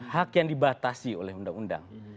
hak yang dibatasi oleh undang undang